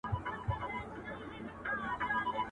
د ژوندون کلونه باد غوندي چلیږي `